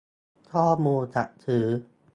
ข้อมูลจัดซื้อ